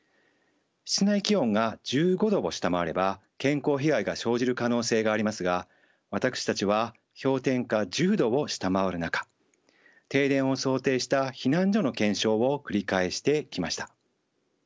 室内気温が１５度を下回れば健康被害が生じる可能性がありますが私たちは氷点下１０度を下回る中停電を想定した避難所の検証を繰り返してきました。